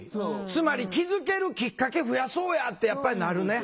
つまり気付けるきっかけ増やそうやってやっぱりなるね。